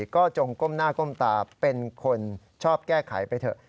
ก็จงก้มหน้าก้มตาเป็นคนชอบแก้ไขไปเถอะ